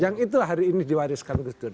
yang itulah hari ini diwariskan gusdur